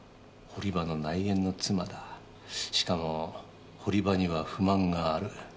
しかも堀場には不満がある。